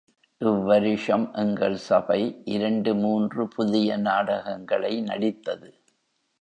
இவ் வருஷம் எங்கள் சபை இரண்டு மூன்று புதிய நாடகங்களை நடித்தது.